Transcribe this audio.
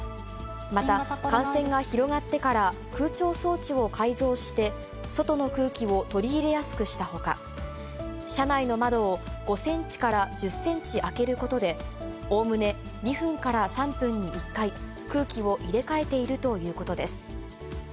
また、感染が広がってから、空調装置を改造して、外の空気を取り入れやすくしたほか、車内の窓を５センチから１０センチ開けることで、おおむね２分から３分に１回、空気を入れ替えているということです。